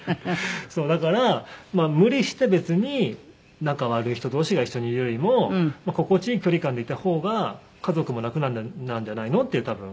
だから無理して別に仲悪い人同士が一緒にいるよりも心地いい距離感でいた方が家族も楽なんじゃないのっていう多分。